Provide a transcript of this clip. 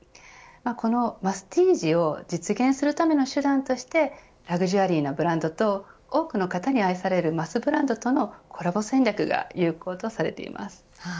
このマスティージを実現するための手段としてラグジュアリーなブランドと多くの方に愛されるマスブランドとのコラボ戦略が有効とされています。